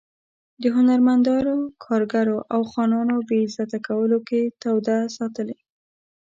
د هنرمندانو، کارګرو او خانانو په بې عزته کولو کې توده ساتلې.